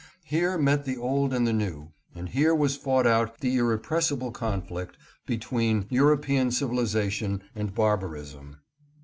Here met the old and the new, and here was fought out the irrepressible conflict between European civilization and barbarism.